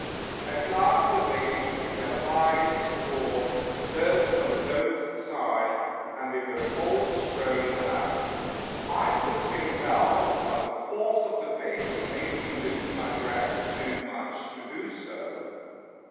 At last the waves, in their wild sport, burst on the boat's side, and we were all thrown out. I could swim well, but the force of the waves made me lose my breath too much to do so.